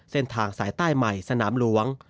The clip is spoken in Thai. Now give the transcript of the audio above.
เส้นทางสายใต้ใหม่สนามหลวง